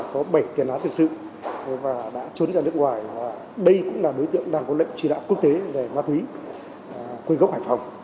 có bảy tiền án tiền sự và đã trốn ra nước ngoài và đây cũng là đối tượng đang có lệnh truy nã quốc tế về ma túy quê gốc hải phòng